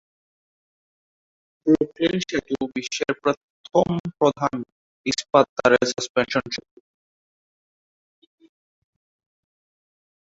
Brooklyn সেতু, বিশ্বের প্রথম প্রধান ইস্পাত-তারের সাসপেনশন সেতু।